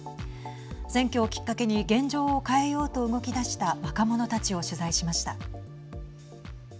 選挙をきっかけに現状を変えようと動き出した若者たちを取材しました。